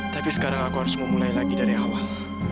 tapi sekarang aku harus memulai lagi dari awal